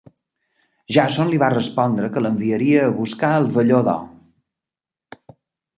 Jàson li va respondre que l'enviaria a buscar el velló d'or.